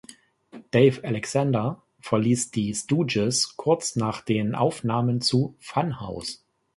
Dave Alexander verließ die Stooges kurz nach den Aufnahmen zu "Fun House".